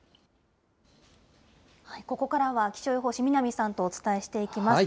ここからは気象予報士、南さんとお伝えしていきます。